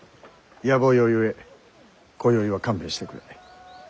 やぼ用ゆえ今宵は勘弁してくれ。